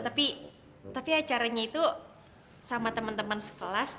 tapi tapi acaranya itu sama teman teman sekelas